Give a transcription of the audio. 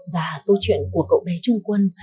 và câu chuyện của cậu bé trung quân